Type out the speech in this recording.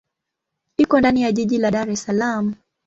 Iko ndani ya jiji la Dar es Salaam.